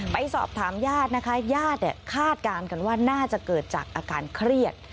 ไปสอบถามญาตินะคะญาติคาดการณ์กันว่าน่าจะเกิดจากอาการเครียด